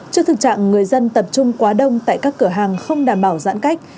trước thực trạng người dân tập trung quá đông tại các cửa hàng không đảm bảo giãn cách